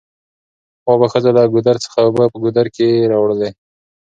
پخوا به ښځو له ګودر څخه اوبه په ګوډي کې راوړلې